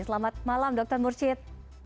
selamat malam dr mursyid